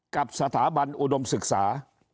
กับสถาบันอุดมศึกษา